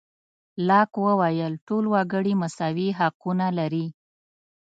لاک وویل ټول وګړي مساوي حقونه لري.